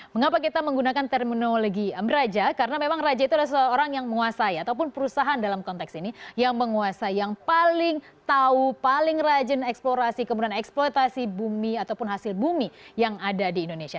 mengapa kita menggunakan terminologi raja karena memang raja itu adalah seorang yang menguasai ataupun perusahaan dalam konteks ini yang menguasai yang paling tahu paling rajin eksplorasi kemudian eksploitasi bumi ataupun hasil bumi yang ada di indonesia